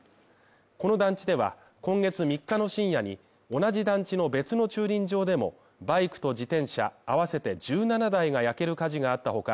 この団地では、今月３日の深夜に、同じ団地の別の駐輪場でもバイクと自転車、合わせて１７台が焼ける火事があったほか